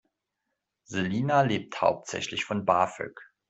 Selina lebt hauptsächlich von BAföG.